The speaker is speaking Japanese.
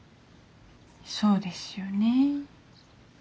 そうですよね。